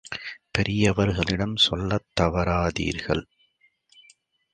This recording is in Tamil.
பெரியவர்களிடம் சொல்லத் தவறாதீர்கள்.